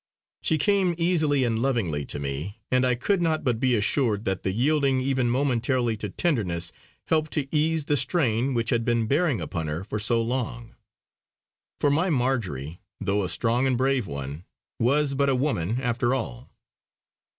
She came easily and lovingly to me, and I could not but be assured that the yielding even momentarily to tenderness helped to ease the strain which had been bearing upon her for so long. For my Marjory, though a strong and brave one, was but a woman after all.